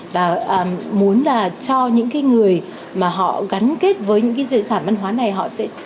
và muốn là cho những cái người mà họ gắn kết với những cái di sản văn hóa này họ sẽ